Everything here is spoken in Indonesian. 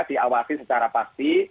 diawasi secara pasti